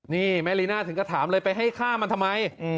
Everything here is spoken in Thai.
นี่แม่ลีน่าถึงก็ถามเลยไปให้ฆ่ามันทำไม